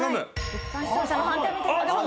一般視聴者の判定を見てみましょう。